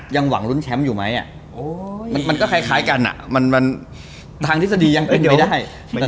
ยังหวังรุนแชมป์อยู่ไหม